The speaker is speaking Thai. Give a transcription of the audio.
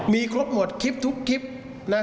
มีครบหมดคลิปทุกคลิปนะ